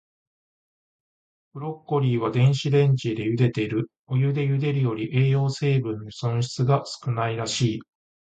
ブロッコリーは、電子レンジでゆでている。お湯でゆでるより、栄養成分の損失が少ないらしい。